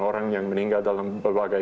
orang yang meninggal dalam berbagai